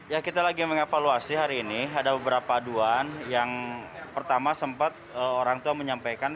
ya kita lagi mengevaluasi hari ini ada beberapa aduan yang pertama sempat orang tua menyampaikan